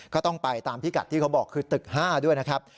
ก็ต้องไปตามพิกัดที่เขาบอกคือตึก๕ด้วยนะครับ